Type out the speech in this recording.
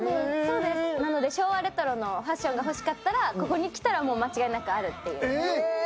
なので昭和レトロのファッションが欲しかったらここに来たら間違いなくあるという。